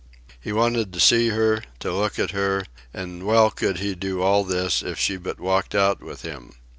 He wanted to see her, to look at her, and well could he do all this if she but walked out with him.